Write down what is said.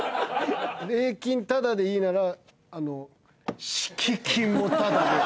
霊金タダでいいなら死鬼金もタダで。